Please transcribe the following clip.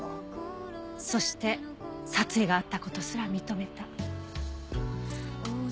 そして殺意があった事すら認めた。